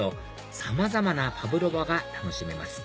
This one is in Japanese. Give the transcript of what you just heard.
さまざまなパブロバが楽しめます